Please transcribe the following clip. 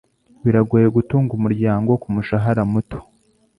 Biragoye gutunga umuryango kumushahara muto.